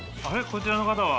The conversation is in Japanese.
こちらの方は？